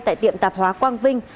tại tiệm tạp hóa quang vinh